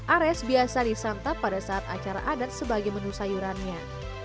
ares biasa disantap pada saat acara adat sebagai menu sayurannya